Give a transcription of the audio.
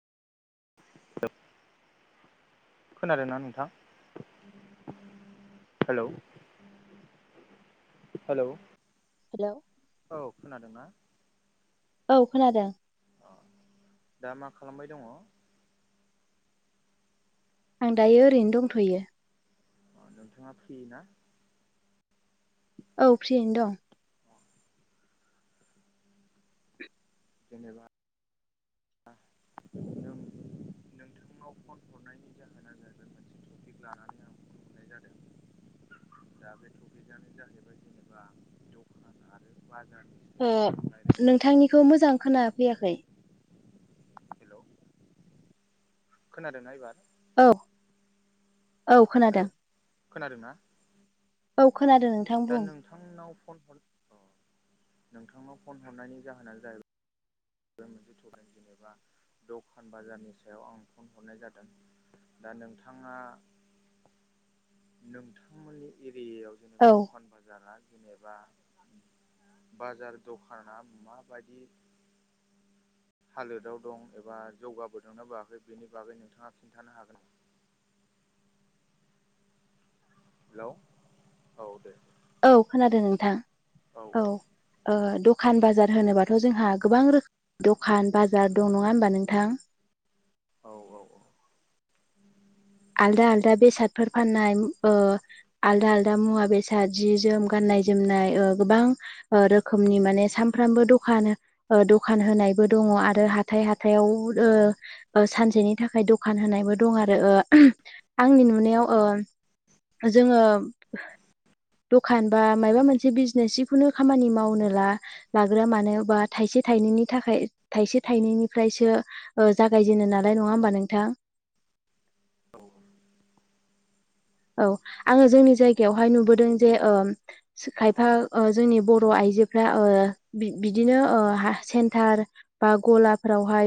[unintelligible] खोनादों ना नोंथां हेलौ हेलौ हेलौ औ खोनादोंना औ खोनादों अ दा मा खालामबाय दङ आं दायो ओरैनो दंथ'यो अ नोंथाङा फ्रि ना औ फ्रियैनो दं [unintelligible] जेनेबा ओं नोंथांनाव फन हरनायनि जाहोना जादों मोनसे टपिक लानानै आं फन हरनाय जादों दा बे टकिटआनो जाहैबाय जेनेबा दखान आरो बाजार ओ नोंथांनिखौ मोजां खोनाफैयाखै हेलौ खोनादोंना एबार औ औ खोनादों हेलौ खोनादों ना औ खोनादों नोंथां बुं नोंथांनाव फन हर अ नोंथांनाव फन हरनायनि जाहोनानो जाहैबाय मोनसे टपिक जेनेबा दखान बाजारनि सायाव आं फन हरनाय जादों दा नोंथाङा नोंथांमोननि एरियायाव औ जेनेबा दखान बाजारा जेनेबा बाजार दखाना माबादि हालोदाव दं एबा जौगाबोदों ना बोआखै बेनि बागै नोंथाङा खिन्थानो हागोन हेलौ औ दे औ खोनादों नोंथां औ ओ दखान बाजार होनोबाथ' जोंहा गोबां रोखोमनि दखान बाजार दं नङा होमबा नोंथां औ औ औ आलदा आलदा बेसादफोर फाननाय ओ औ आलदा आलदा मुवा बेसाद जि जोम गाननाय जोमनाय ओ गोबां ओ रोखोमनि माने सामफ्रामबो दखान ओ दखान होनायबो दङ आरो हाथाइ हाथाइयाव ओ ओ सानसेनि थाखाय दखान होनायबो दं आरो ओ आंनि नुनायाव ओ जोङो दखान बा मायबा मोनसे बिजनेस जिखुनु खामानि मावनो ला लाग्रोआ मानो बा थाइसे थाइनैनि थाखाय थाइसे थाइनैनिफ्रायसो ओ जागायजेनो नालाय नङा होमबा नोंथां औ औ आङो जोंनि जायगायावहाय नुबोदों जे ओ खायफा ओ जोंनि बर' आइजोफ्रा ओ बिदिनो ओ सेन्टार बा गलाफ्रावहाय